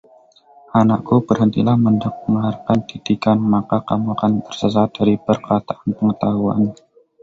Anakku, berhentilah mendengarkan didikan, maka kamu akan tersesat dari perkataan pengetahuan.